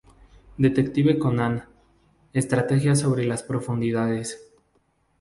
Detective Conan: Estrategia sobre las profundidades